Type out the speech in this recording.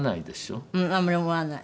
うんあんまり思わない。